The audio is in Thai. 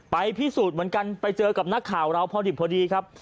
ไปพิสูจน์เหมือนกันไปเจอกับนักข่าวเราพอดิบพอดีครับ